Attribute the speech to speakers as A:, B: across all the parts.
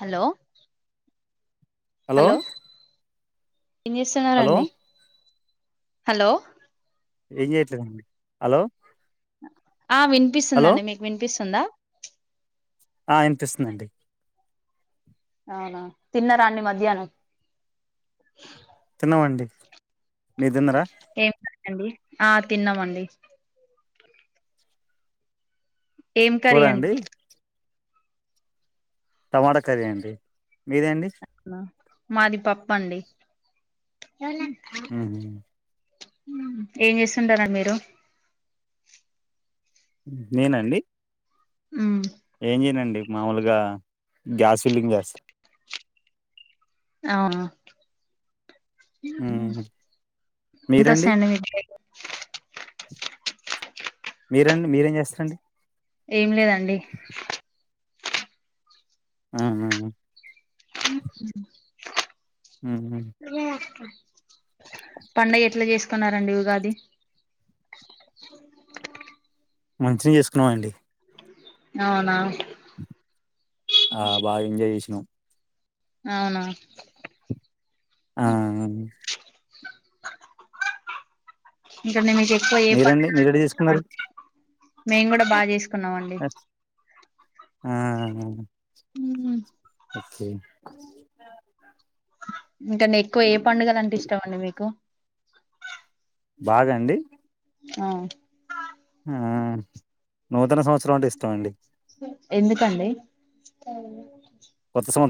A: Hello
B: hello
A: ఏం
B: hello
A: చేస్తున్నారండి hello
B: ఏం చేయట్లేదండి హలో
A: ఆ
B: హలో
A: వినిపిస్తుందండి మీకు వినిపిస్తుందా
B: ఆ ఇనిపిస్తుందండి
A: అవునా తిన్నారండి మధ్యాహ్నం
B: తిన్నవండి
A: ఏం కరండీ ఆ తిన్నమండి ఏం కర్రీ అండి
B: టమాటా కర్రీ అండి మీదెండి
A: మాది పప్పండి
B: ఉహు
A: ఏం చేస్తుంటారాన్ మీరు
B: నేనండి
A: ఉమ్
B: ఏం చేయనండి మామూలుగా గ్యాస్ ఫిల్లింగ్
A: ఆహా
B: మీరండి
A: ఎంతోస్తాయ్ అండి మీక్
B: మీరండి మీరేం చేస్తారండి
A: ఏం లేదండి
B: అహహ
A: రాక పండగ ఎట్ల చేసుకున్నారండి ఉగాది
B: మంచిగ్ చేసుకున్నామండి
A: అవునా
B: ఆ బాగా ఎంజాయ్ చేసినమ్
A: అవున
B: ఆ బ్
A: ఇక మీ
B: మీరండి మీరడిది జెసుకున్నరు?
A: మేము కూడా బాగా చేసుకున్నాం అండి.
B: ఆహ
A: ఉమ్మ
B: ఓకే
A: మీకనెక్కువ ఏ పండుగల అంటే ఇష్టండి మీకు
B: బాగండి
A: ఆ
B: ఆ నూతన సంవత్సరమంటే ఇస్టమండి
A: ఎందుకండి
B: కొత్త సం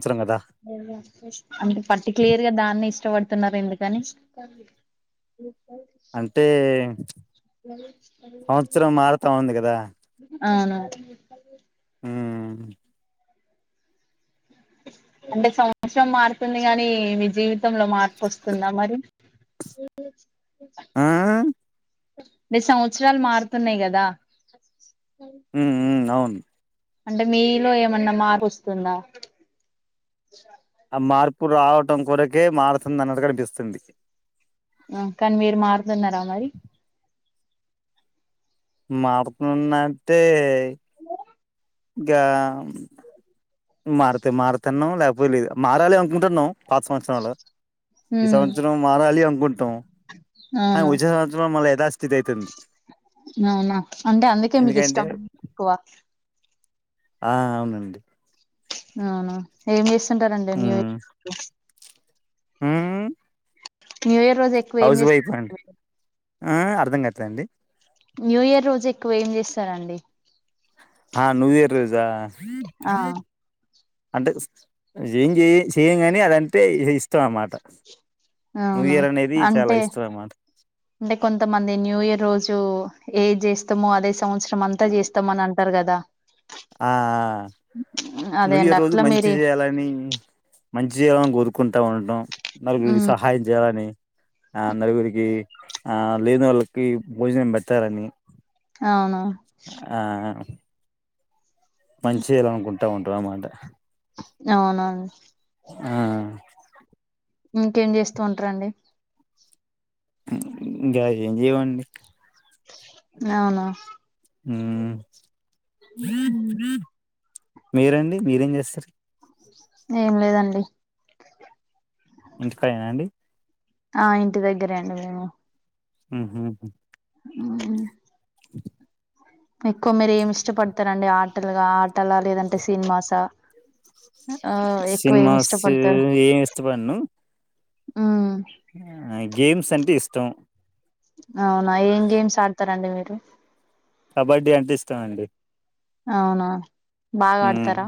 A: అంటే పర్టిక్లియర్ గా దాన్ని ఇస్ షవడుతున్నరెందుకని
B: అంటే ప్చ్ సంవత్సరం మారుతా ఉంది గదా
A: అవును
B: మ్
A: అంటే సంవత్సరం మారుతుంది గానీ, మీ జీవితంలో మార్పొస్తుందా మరి? ఉ ఉ
B: ఆ
A: నీ సంవత్సరాలు మారుతున్నయి కదా.
B: ఉ ఉ అవును
A: అంటే మీలో ఏమన్నా మార్పొస్తుందా?
B: ఆ మార్పు రావటం కొరకే మారుతుందన్నటు కనిపిస్తుంది.
A: అ కాన్ మీరు మారుతున్నారా మరి?
B: మారుతున్నట్టే ఇంకా మారుతే మారుతన్నం లేకపోలేదు మారలంకుంటన్నం. పాత సంవత్సర్ల ఈ
A: ఉమ్
B: సంవత్సరం మారాలి అనుకుంటాం. ఆ
A: అవును
B: విజయ సంవత్సరం మళ్ళ యదాస్థితి ఐతుంది.
A: అవునా అంటే అందుకే
B: ఎందుకంటే
A: మీకిష్టం క్కువ
B: ఆ అవునండి
A: అవునా ఏం జేస్తుంటారండి న్యూయర్ కి
B: మ్
A: న్యూయర్ రోజు ఎక్కువ ఏం జేస్తున్నారండి మీరు?
B: ఆ అర్థంగాట్లేండి.
A: న్యూయర్ రోజు ఎక్కువ ఏం జేస్తారండి?
B: ఆ నూయర్ రోజా
A: ఆ
B: అంటే ఉస్ జే ఏం శేయం గాని అదంటే ఇష్టమన్మాట.
A: అవునా అంటే
B: అన్నమాట
A: టే కొంతమంది న్యూయరోజు ఏజేస్తామో అదే సంవత్సరమంతా జేస్తామనంటర్ గదా.
B: ఆ ఆ
A: అదే అండి
B: నూయర్రోజు
A: అట్లా
B: మంచి
A: మీరే
B: జేయాలని మంజేయాలని గోరుకు కుంటావుంటం నలుగురికి
A: ఉమ్
B: సహాయం జెయాలని ఆ నలుగురికి ఆ లేనొళ్ళకి భోజనం బెత్తారని
A: అవును
B: ఆ ఆ మంచి జేయాలనుకుంటా ఉంటారు అమాట
A: అవునవును
B: ఆ
A: ఇంకేం జేస్తూ ఉంటరండి?
B: ఇంగా ఏం జేయమండి.
A: నవునా
B: మ్మ్ మీరండి మీరేం జేస్తరు?
A: ఏం లేదండి
B: ఇంటికాడేనా అండి
A: ఆ ఇంటి దగ్గరే అండి మేము
B: మ్ హ్
A: మ్ ఎక్కువ మీరు ఏమి ఇష్టపడతారండి, ఆటలుగా ఆటలా లేదంటే సినిమాసా? ఆ ఎక్కువ ఏమి
B: సినిమాస్
A: ఇష్టపడతారు
B: ఏమి ఇష్టపడను
A: ఉమ్
B: గేమ్స్ అంటే ఇష్టం.
A: అవునా ఏం గేమ్స్ ఆడ్తరండి మీరు?
B: కబడ్డీ అంటే ఇష్టమండి.
A: అవునా బాగా
B: హ్
A: ఆడతారా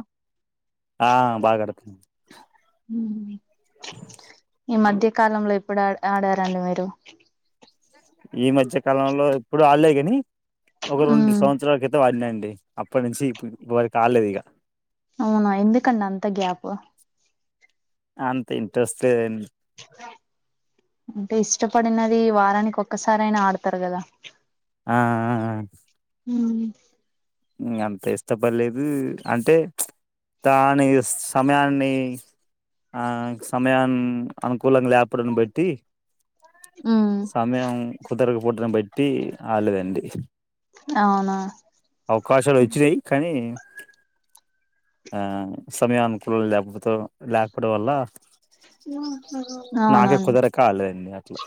B: ఆ బాగాడ్తుం
A: హ్ ఈ మధ్య కాలంలో ఎప్పుడు ఆడ్ ఆడారండి మీరు?
B: ఈ మధ్య కాలంలో ఎప్పుడు ఆడ్లే గని ఒక రెండు
A: ఉమ్
B: సంవత్సరాల క్రితం ఆడిన అం డి అప్పట్ నుంచి ఇప్ ఇప్పటి వరకి ఆడ్లేద్ ఇగ
A: అవునా ఎందుకండ్ అంత గ్యాప్
B: అంత ఇంట్రెస్ట్ లేదన్
A: అంటే ఇష్టపడినది వారానిక్ ఒక్క సారైనా ఆడ్తర్ గదా
B: ఆ ఆ....
A: మ్
B: మ్ అంత ఇష్టపడ్ లేదు అంటే దాని సమయాన్ని ఆ సమయన్ అనుకో కులం లేపడ్న్ బట్టి
A: ఉమ్
B: సమయం కుదరక పూటన పెట్టి ఆడ్లేదండి.
A: అవునా
B: అవకాశాల్ వచ్చినయి కనీ ఆ సమయానుకూలం లేకపొతే లేకపోడం వల్ల
A: అవునా
B: నాకే కుదరక ఆడ్లే అండి అట్లా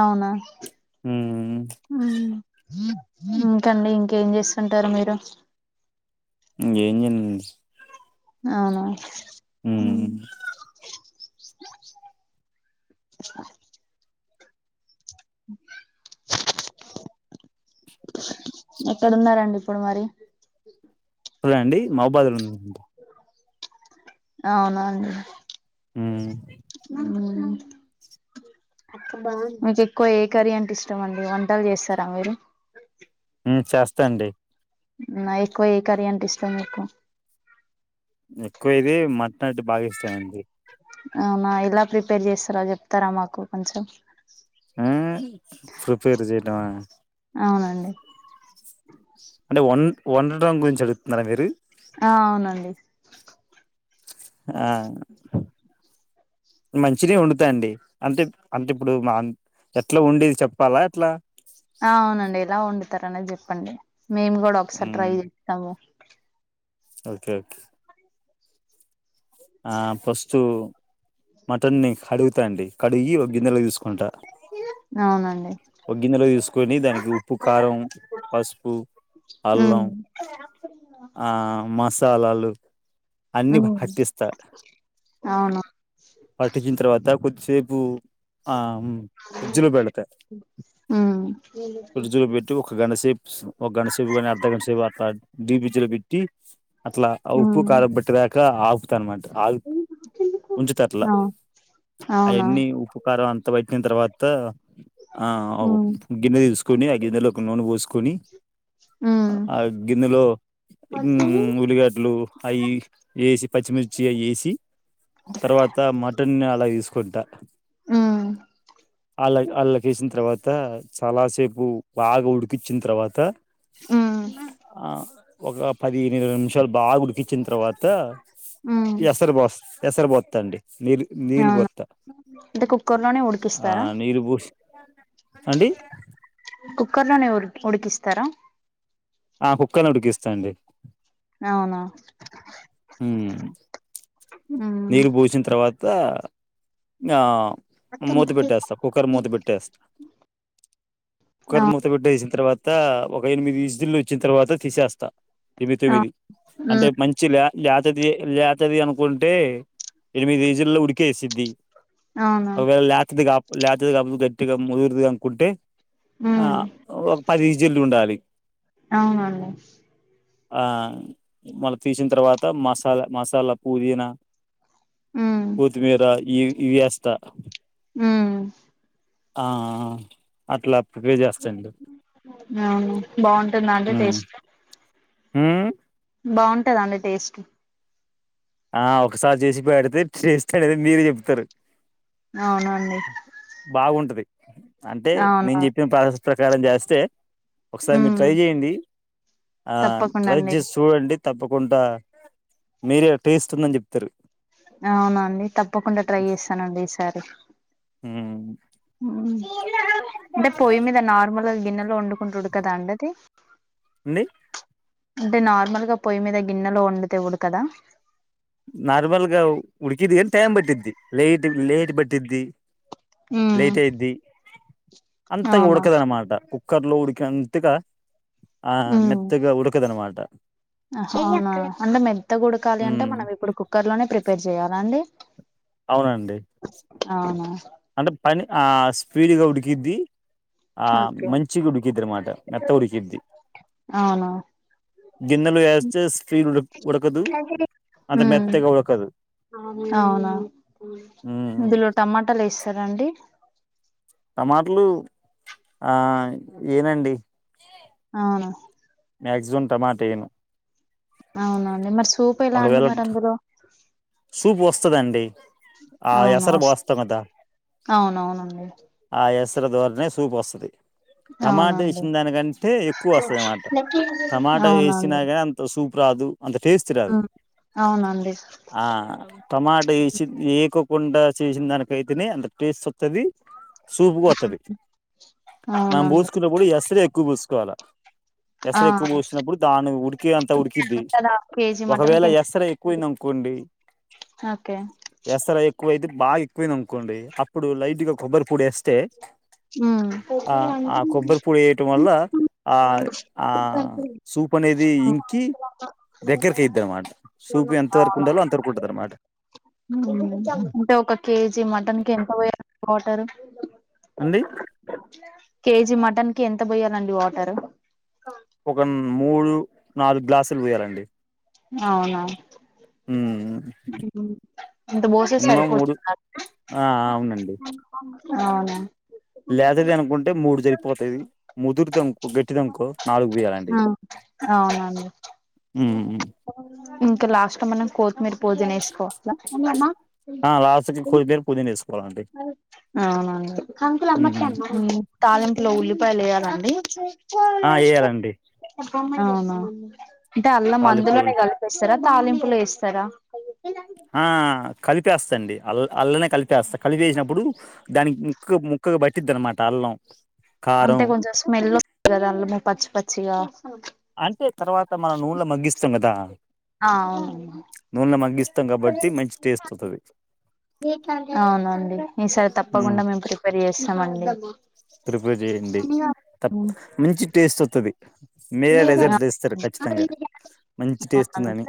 A: అవునా
B: ఉమ్
A: ఇంకండి ఇంకేం చేస్తుంటారు మీరు?
B: ఇంకేం చేయన్
A: అవునా
B: మ్
A: ఎక్కడున్నారండి ఇప్పుడు మరి
B: ఇప్పుడా అండి మాబాదులున్నాం.
A: అవునం
B: మ్
A: మీకు ఎక్కువ ఏ కర్రీ అంటే ఇష్టం అండి వంటలు చేస్తరా మీరు
B: చేస్తండి.
A: నా ఎక్కువ ఏ కర్రీ అంటే ఇష్టం నీకు?
B: ఎక్కువ ఇది మటన్ అంటే బాగిష్టం అండి.
A: అవునా ఎలా ప్రిపేర్ చేస్తరా చెప్తారా మాకు కొంచెం.
B: ఆ ప్రిపేర్ చేయడమా
A: అవునండి
B: అంటే వన్ వండడం గురించి అడుగుతున్నారా మీరు
A: ఆ అవునండి.
B: మంచెనె వొండుతా అండి అంటే అంటే ఇప్పుడు మా ఎట్లా ఉండేది చెప్పాలా ఎట్లా
A: తార అనేది చెప్పండి మేము కూడా ఒకసారి
B: ఉమ్
A: ట్రై చేస్తాము.
B: ఓకే ఓకే ఆ ఫస్టు మటన్ని కడుగుతా అంది కడిగి గిన్నెలో తీస్కుంటా
A: అవునండి
B: ఓ గ్గిన్నెల తీస్కొని దానికి ఉప్పు, కారం, పసుపు
A: మ్
B: అల్లం ఆ మసాలాలు అన్ని
A: ఉమ్
B: వట్టిస్ త
A: అవును
B: పట్టిచ్చిన తర్వాత కొద్దిసేపు ఆ ఫ్రిజ్లో బెడతా
A: ఉమ్
B: ప్రిడ్జ్ లో పెట్టు ఒక గంటసేప్ ఒక గంటసేపు గని అర్ధ గంటసేపు అట్లా డి ప్రిజ్జుల వేట్టి అట్లా ఆ ఉప్పు
A: ఉమ్
B: కారు పట్టేదాక ఆపుతనమాత్ ఆగు ఉంచుతట్లా
A: అవు అవునా
B: అయాన్ని ఉప్పు కారం అంత బట్టి టిన తర్వాత ఆ ఒ
A: ఉమ్
B: గిన్నె తీసుకొని ఆ గిన్నెలో ఒక నూనె వోస్కొని
A: ఉమ్
B: ఆ గిన్నెలో మ్మ్ ఉల్లిగడ్లు అయి ఏసి పచ్చిమిర్చి అయి ఏసి తర్వాత మటన్ ల దిస్కుంటా
A: ఉమ్
B: అల అళకేసిన తర్వాత చాలా సేపు బు బాగా ఉడికించిన తర్వాత
A: ఉమ్
B: ఆ ఒక పదెన్ ఇరవై నిమిష శాల్ బాగా ఉడికిచ్చిన తర్వాత
A: ఉమ్
B: ఎసరి వోస్ ఎసరి పోతండి నీల్ నీల్
A: అవును
B: బోత్త
A: అంటే కుక్కర్ లోనే
B: ఆ
A: ఉడికిస్తారా
B: నీల్ బోష్ అండి
A: కుక్కర్ లోనే ఉర్ ఉడికిస్తారా
B: ఆ కుక్కనిడికిస్తా అండి
A: అవునా ఉమ్
B: నీరు బోసిన్ తర్వాత ఆ మూత బెట్టేస్తా కుక్కర్ మూత బెట్టేస్తా కుక్కర్
A: అవు
B: మూత బెట్టేసింతర్వాత, ఒక ఎనిమిది విస్సిల్లు ఒచ్చిన్ తర్వాత తీసేస్తా. ఇవి
A: అవు
B: తొమిది అంటే
A: ఉమ్
B: మంచి లే లేతది లేతది అనుకుంటే టే ఎనిమిది వెస్సెల్ లో ఉడికేసిద్ది
A: అవునా
B: ఒకేళ లేతది కా లేతది కాక గట్టిగా ముదుర్ది అనుకుంటే ఆ
A: ఉమ్
B: ఒక పది ఇజిల్లు ఉండాలి.
A: అవునండి
B: ఆ మళ్ళా తీసిన్ తర్వాత మసాల మసాలా పుదీనా
A: ఉమ్
B: కోతిమీర ఈ ఇయేస్త
A: మ్మ్
B: ఆ ఇట్లా ప్రిపేర్ జేస్తాండి
A: అవును బాగుంటుందా అండి
B: మ్మ్
A: టేస్ట్
B: మ్మ్
A: బాగుంటద అండి టేస్ట్
B: ఆ ఒకసారి జేసి పెడితే చేస్తాడేద మీరే జేప్తరు
A: అవునండి
B: అంటే
A: అవునా
B: నేను జేప్పిన పాసేస్ ప్రకారం జేస్తే ఒకసారి మీరు
A: మ్మ్
B: ట్రై జేయండి. ఆ
A: తప్పకుండా
B: ట్రై
A: అండి
B: జేష్ చూడండి. తప్పకుంటా మీరే టేస్ట్ ఉందని జెప్తరు.
A: అవునండి తప్పకుండా ట్రై చేస్తానండి ఈసారి
B: మ్మ్
A: మ్మ్ అంటే పొయ్యి మీద నార్మల్గా గిన్నెలో ఒండుకుంటే ఉడకదా అండి అది
B: అండే
A: అంటే నార్మల్గా పొయ్యి మీద గిన్నెలో వండితే ఉడకదా.
B: నార్మల్గా ఉడ్కిద్ది గని టైమ్ బట్టద్ది లేేట్ లేట్ బట్టిద్ది
A: మ్మ్
B: లేటైయిద్ది అంతగా
A: అవునా
B: ఉడ్కదన్నమాట కుక్ క్కర్ లో ఉడికినంతగా ఆ మెత్తగా ఉడకదనమాట.
A: ఆహా అవును అన్నం మెత్తగా ఉడకాలి అంటే
B: ఉమ్,
A: మనం ఇప్పుడు కుక్కర్ లోనే ప్రిపేర్ జేయ్యాలా అండి
B: అవునండి
A: అవునా
B: అంటే పని ఆ స్పీడ్గా ఉడికిద్ది ఆ
A: ఓకే
B: మంచిగా ఉడికిద్ద ఆనామాట మొత్తం ఉడికిద్ది
A: అవునా
B: గైనలే అస్తే స్పీడ్ ఉడకది
A: మ్ అవునా
B: ఉమ్,
A: ఇందులో టమాటాలు వేస్త రా అండి
B: టమాటలు ఆ ఎయ్యండి
A: అవున
B: మిక్సిమ్ టమాట ఎయను
A: అవునండి మరి సూపు ఎలా అండి మరి అందులోకీ
B: సూప్ వస్తానంది ఆ
A: అవును.
B: ఎసరు
A: వస్
B: పోస్తా కదా
A: అవునవునండి.
B: ఆ ఏసారా యస్ ద్వార నే సూపు వస్తుంది టమాటా
A: అవునండి.
B: వేసిన దానికంటే ఎక్కువ వస్తుంది అన్నమాట టమాటా వేసినా కాని అంత సూప్ రాదు అంత టేస్ట్
A: హ
B: రాదు
A: అవునా అండి
B: ఆ టమాటా ఏసి ఎకో కొండ చేసిన దానిక కైతేనే అంత టేస్ట్ వస్తుది సూపు కూడా
A: హ్మ్.
B: వాతది మనం
A: అవునండి.
B: పూసుకున్నప్పుడు ఎసారే ఎక్కువ పూసుకోవాలా
A: ఆ!
B: ఎసర ఎక్కువ పోసినప్పుడు దాను ఉడేక్ అంతా ఉడికిద్ది
A: కానీ కదా కేజీ
B: ఒకవేళ
A: మటన్‌కి ఎంత
B: ఏసారా ఎక్కువైంది అనుకోండి
A: ఓకే.
B: ఎసరా ఎక్కువైతే బాగా ఎక్కువయింది అనుకోండి అప్పుడు లైట్ గా కొబ్బరి పొడి వేస్తే
A: హ్మ్.
B: ఆ ఆ కొబ్బరి పొడి వేయటం వల్ల ఆ ఆ సూప్ అనేది అది ఇంకి దగ్గరకి అయితది అన్నమాట సూపు ఎంత వరకు ఉండాలో అంతరకు
A: మ్ మ్ అంటే ఒక కేజీ మటన్ కి ఎంత పోయాలి వాటర్ రు
B: అండి
A: కేజీ మటన్ కి ఎంత పోయ్యాలండి వాటర్ రు
B: ఒక మూడు నాలుగు గ్లాసులు పోయాలి అండి
A: అవునా ఇంత బోసే
B: మినిమం మూడు
A: సారీపోతుందా
B: ఆ
A: అండి అవునా
B: లేదది అనుకుంటే మూడు చరిపోతది ముదురుద
A: మ్ అవునండి
B: ఉమ్, ఉమ్.
A: ఇంకా లాస్ట్ మనం కొత్తిమీర పుదీనా వేసుకోవాలా
B: ఆ లాస్సక్కి కొత్మీర పుదీనా వేసుకొ
A: అవునా
B: ఉమ్, ఉమ్.
A: అండి తాలింపులో ఉలి ఉల్లిపాయలు అయ్యాల అండి
B: ఆ వేయాలండి
A: అంటే అల్లం
B: తాలింపులో
A: అందులోనే కలిపిస్తారా తాలింపులు వేస్తారా
B: ఆ కాలిపి వస్తాండి అల్ అల్లనే కలిపిస్తా కలిపేసినప్పుడు దానికి ముక్క ముక్కగా బట్టిద్ అనమాట అల్లం
A: అంటే
B: కారం
A: కొంచెం స్మెల్ వస్తది కదా అల్లము పచ్చి పచ్చిగా
B: అంటే తర్వాత మనం నున్లో మగ్గిస్తాం కదా
A: ఆ అవును
B: నున్లో మగ్గిస్తాం కాబట్టి మంచి టేస్ట్ వాతది
A: అవునా అండి ఈ సారీ
B: హ్మ్.
A: తప్పకుండా మేము ప్రిపేర్ చేస్తాం అండి
B: ప్రిపేర్ చేయండి. తం మంచి టేస్ట్ వస్తది.
A: అవునండి
B: మంచి టేస్ట్ ఉందని.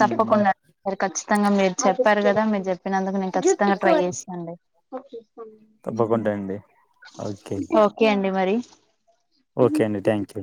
B: హ్మ్.
A: తప్పకుండా అది కచ్చి తంగా మీరు చెప్పారు కదా. మీరు చెప్పినందుకు నేను కచ్చితంగా ట్రై చేస అండి.
B: తప్పకుంటే అండి ఓకే
A: ఓకే అండి మరి
B: ఓకే అండి థ్యాంక్ యూ